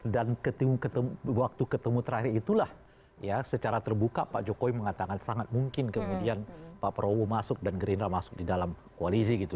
dan ketemu waktu ketemu terakhir itulah ya secara terbuka pak jokowi mengatakan sangat mungkin kemudian pak prabowo masuk dan gerindra masuk di dalam koalisi gitu